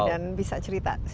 dan bisa cerita sedikit